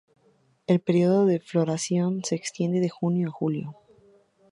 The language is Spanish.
El período de floración se extiende de junio a julio.